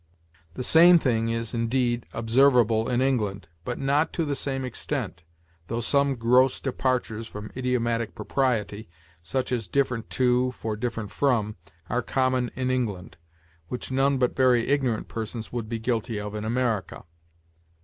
The same thing is, indeed, observable in England, but not to the same extent, though some gross departures from idiomatic propriety, such as different to for different from, are common in England, which none but very ignorant persons would be guilty of in America....